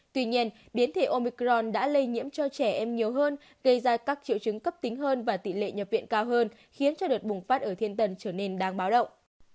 tuy nhiên biến thể omicron đã lây nhiễm cho trẻ em nhiều hơn gây ra các triệu chứng cấp tính hơn và tỷ lệ nhập viện cao hơn khiến cho đợt bùng phát ở thiên tân trở nên đáng báo động